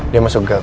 dia masuk gam